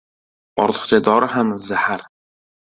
• Ortiqcha dori ham — zahar.